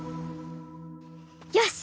よし！